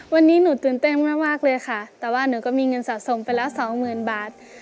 วันนี้หนูตื่นเต้นมากเลยค่ะแต่ว่าหนูก็มีเงินสะสมไปแล้วสองหมื่นบาท